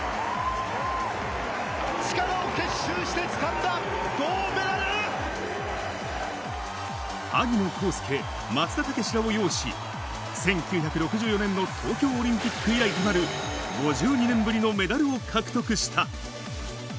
力を結集してつかんだ銅メダル！萩野公介、松田丈志らを擁し、１９６４年の東京オリンピック以来となる５２年ぶりのメダルを獲得した。